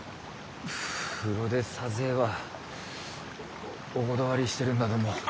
風呂で撮影はお断りしてるんだども。